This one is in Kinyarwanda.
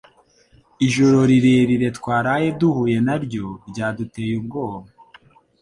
Ijoro rirerire twaraye duhuye naryo ryaduteye ubwoba